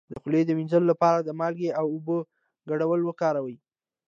د خولې د مینځلو لپاره د مالګې او اوبو ګډول وکاروئ